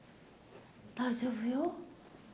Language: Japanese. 大丈夫よ。